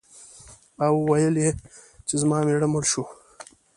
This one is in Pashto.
او ویل یې چې زما مېړه مړ شو.